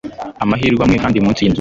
Amahirwe amwe kandi munsi yinzu